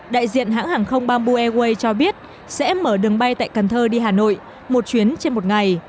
đại diện hãng hàng không bamboo airways cho biết sẽ mở đường bay tại cần thơ đi hà nội một chuyến trên một ngày